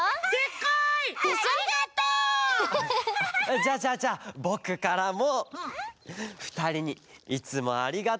じゃあじゃあじゃあぼくからもふたりにいつもありがとうのはいおはな！